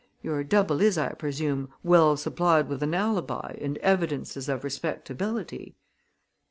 Your double is, I presume, well supplied with an alibi and evidences of respectability?"